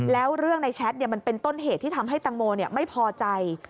แล้วเรื่องในแชทมันเป็นต้นเหตุที่ทำให้ตังโมไม่พอใจ